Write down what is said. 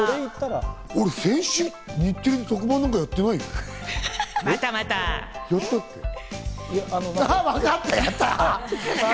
俺先週、日テレで特番なんてやってないよ、やったっけ？